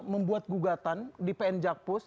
membuat gugatan di pn jakpus